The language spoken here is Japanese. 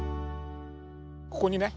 ここにね